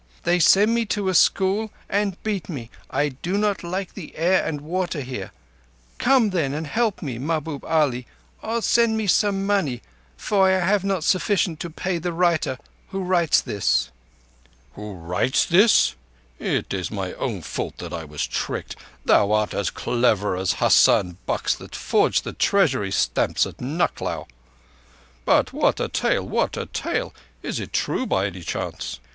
They send me to a school and beat me. I do not like the air and water here. Come then and help me, Mahbub Ali, or send me some money, for I have not sufficient to pay the writer who writes this._" "'Who writes this.' It is my own fault that I was tricked. Thou art as clever as Husain Bux that forged the Treasury stamps at Nucklao. But what a tale! What a tale! Is it true by any chance?"